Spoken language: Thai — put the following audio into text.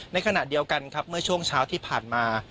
ในขณะเดียวกันครับเมื่อช่วงเช้าที่ผ่านมา